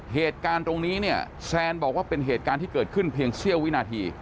เหตุการณ์ตรงนี้เนี่ยแซนบอกว่าเป็นเหตุการณ์ที่เกิดขึ้นเพียงเสี้ยววินาที